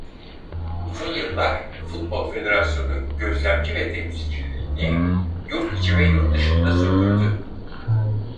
Uzun yıllar Futbol Federasyonu Gözlemci ve Temsilciliğini yurt içi ve yurt dışında sürdürdü.